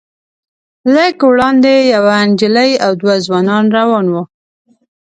لږ وړاندې یوه نجلۍ او دوه ځوانان روان وو.